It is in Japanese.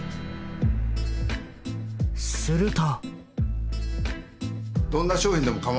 すると。